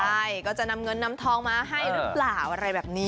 ใช่ก็จะนำเงินนำทองมาให้หรือเปล่าอะไรแบบนี้